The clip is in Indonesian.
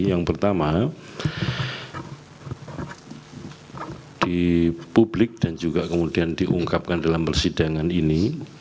yang pertama di publik dan juga kemudian diungkapkan dalam persidangan ini